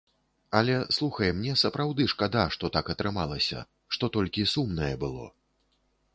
Але слухай, мне сапраўды шкада, што так атрымалася, што толькі сумнае было.